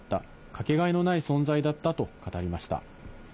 かけがえのない存在だったと語りました。